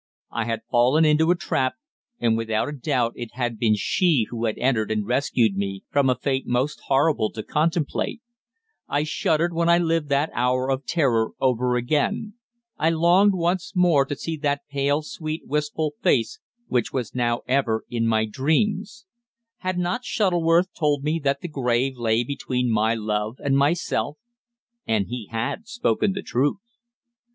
I had fallen into a trap, and without a doubt it had been she who had entered and rescued me from a fate most horrible to contemplate. I shuddered when I lived that hour of terror over again. I longed once more to see that pale, sweet, wistful face which was now ever in my dreams. Had not Shuttleworth told me that the grave lay between my love and myself? And he had spoken the truth!